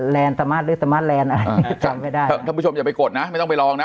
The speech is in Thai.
แลนด์หรือหรืออะไรจำไม่ได้ถ้าผู้ชมอย่าไปกดนะไม่ต้องไปลองนะ